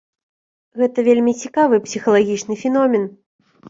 Гэта вельмі цікавы псіхалагічны феномен.